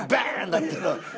なってんの。